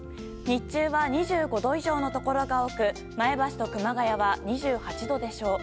日中は２５度以上のところが多く前橋と熊谷は２８度でしょう。